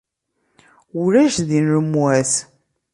Ulac din lemwas.